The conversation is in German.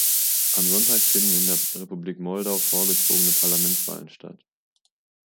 Am Sonntag finden in der Republik Moldau vorgezogene Parlamentswahlen statt.